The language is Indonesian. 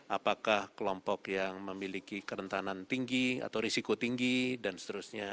apakah kelompok yang memiliki kerentanan tinggi atau risiko tinggi dan seterusnya